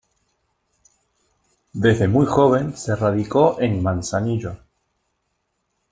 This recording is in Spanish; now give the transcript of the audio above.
Desde muy joven se radicó en Manzanillo.